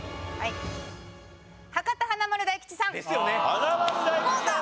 華丸・大吉さん